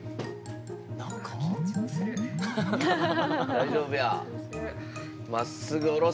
大丈夫や。